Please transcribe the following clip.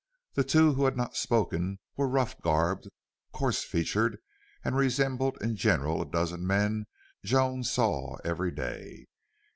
The two who had not spoken were rough garbed, coarse featured, and resembled in general a dozen men Joan saw every day.